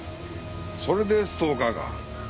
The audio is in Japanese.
それでストーカーか。